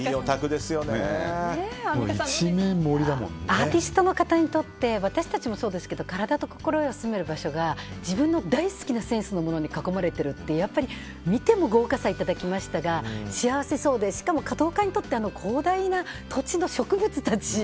アーティストの方にとって私たちもそうですけど体と心を休める場所が自分の大好きなセンスのものに囲まれてるって見ても豪華さいただきましたが幸せそうでしかも華道家にとって広大な土地の植物たち。